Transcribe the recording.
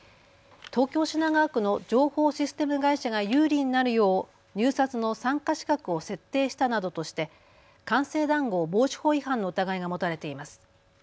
東京品川区の情報システム会社が有利になるよう入札の参加資格を設定したなどとして官製談合防止法違反の疑いが持たれています。